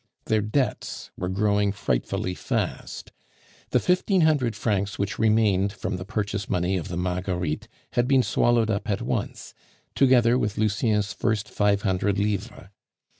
Their debts were growing frightfully fast. The fifteen hundred francs which remained from the purchase money of the Marguerites had been swallowed up at once, together with Lucien's first five hundred livres.